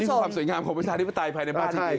ความสวยงามของประชาธิปไตยภายในบ้านจริง